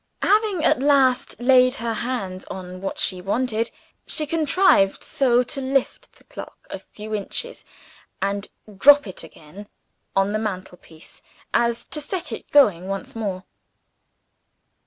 Having at last laid her hand on what she wanted, she contrived so to lift the clock a few inches and drop it again on the mantelpiece, as to set it going once more.